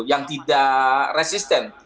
yang tidak resisten